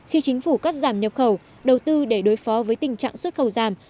khi chính phủ cắt giảm nhập khẩu đầu tư để đối phó với tình trạng xuất khẩu giảm